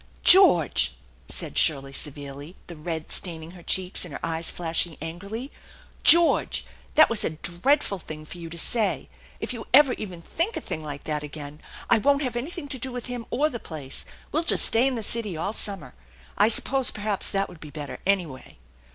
"George!" said Shirley severely, the red staining her cheeks and her eyes flashing angrily. " George ! That was a dreadful thing for you to say. If you ever even think a thing like that again, I won't have anything to do with him or the place. We'll just stay in the city all summer. I suppose perhaps that would be better, anyway."